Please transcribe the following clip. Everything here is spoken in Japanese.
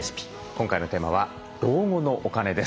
今回のテーマは老後のお金です。